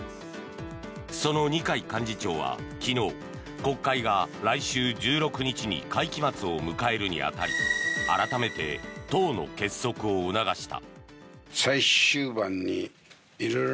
その二階幹事長は昨日国会が来週１６日に会期末を迎えるに当たり改めて党の結束を促した。